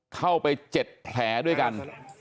เข้าไป๗แผลด้วยกัน